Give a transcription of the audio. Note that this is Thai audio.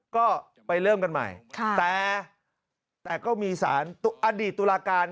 ก็ไปเริ่มกันใหม่แต่ก็มีสารอดีตตุลาการ